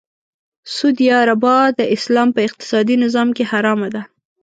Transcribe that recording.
سود یا ربا د اسلام په اقتصادې نظام کې حرامه ده .